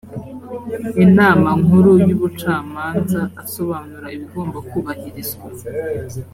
inama nkuru y ubucamanza asobanura ibigomba kubahirizwa